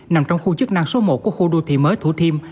nằm trong khu chức năng số một của khu đô thị mới thủ thiêm